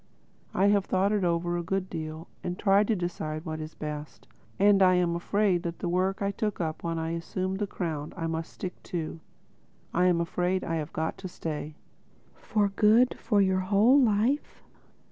I have thought it over a good deal and tried to decide what was best. And I am afraid that the work I took up when I assumed the crown I must stick to. I'm afraid—I've got to stay." "For good—for your whole life?"